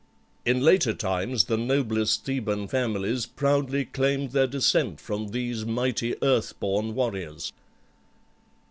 In later times the noblest Theban families proudly claimed their descent from these mighty earth born warriors.